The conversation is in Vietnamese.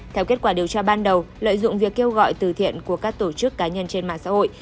theo kết quả điều tra ban đầu lợi dụng việc kêu gọi từ thiện của các tổ chức cá nhân trên mạng xã hội